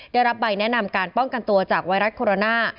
ได้รับใบแนะนำการป้องกันตัวจากไวรัสโคโรนา